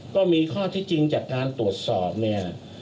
ก็มีข้อที่จริงจากการตรวจสอบเนี่ย